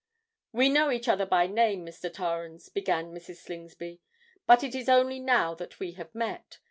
"We know each other by name, Mr. Torrens," began Mrs. Slingsby; "but it is only now that we have met.